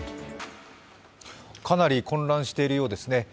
かなり混乱しているようですね。